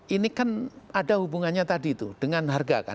ini kan ada hubungannya tadi itu dengan harga kan